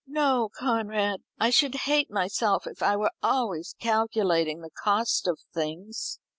"No, Conrad; I should hate myself if I were always calculating the cost of things."